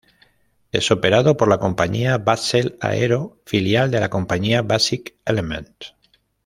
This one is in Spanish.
Es operado por la compañía "Basel Aero", filial de la compañía Basic Element.